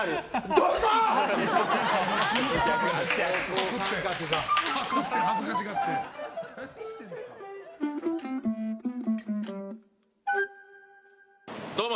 どうも！